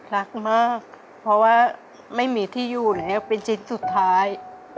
รักมากเพราะว่าไม่มีที่อยู่เนี่ยเป็นชิ้นสุดท้าย